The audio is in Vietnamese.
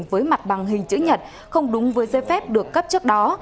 với mặt bằng hình chữ nhật không đúng với giấy phép được cấp trước đó